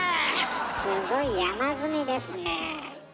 すごい山積みですね。